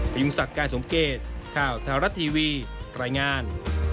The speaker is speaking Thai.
พยุงสักการณ์สมเกตข่าวทารัททีวีรายงาน